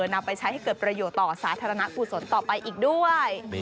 นำไปใช้ให้เกิดประโยชน์ต่อสาธารณะกุศลต่อไปอีกด้วย